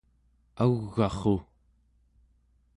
au͡g'arru